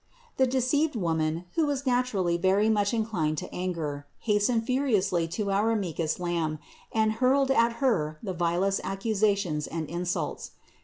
349. The deceived woman, who was naturally very much inclined to anger, hastened furiously to our meekest Lamb and hurled at Her the vilest accusations and in sults.